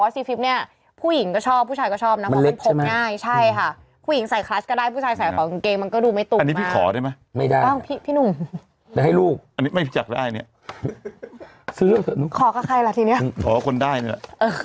ใส่ลูกไม่จับได้เนี่ยขอกับใครละทีเนี่ยขอกับคนได้นี่ล่ะ